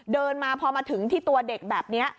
เดินมาพอมาถึงที่ตัวเด็กแบบนี้